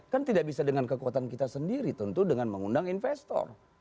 kan tidak bisa dengan kekuatan kita sendiri tentu dengan mengundang investor